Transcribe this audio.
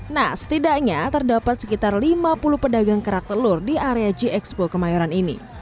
nah setidaknya terdapat sekitar lima puluh pedagang kerak telur di area g expo kemayoran ini